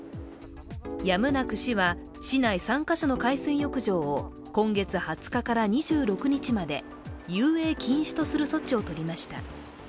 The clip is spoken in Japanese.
やむなく市は、市内３カ所の海水浴場を今月２０日から２６日まで遊泳禁止とする措置を取りました。